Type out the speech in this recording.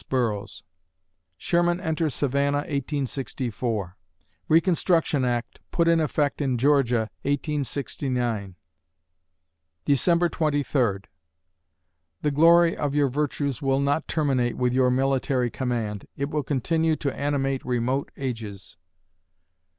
BURROUGHS Sherman enters Savannah, 1864 Reconstruction Act put in effect in Georgia, 1869 December Twenty Third The glory of your virtues will not terminate with your military command; it will continue to animate remote ages.